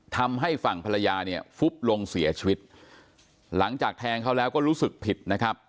ทำให้ฝั่งภรรยาเนี่ยฟุบลงเสียชีวิตหลังจากแทงเขาแล้วก็รู้สึกผิดนะครับ